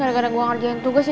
gara gara gue ngerti yang tugas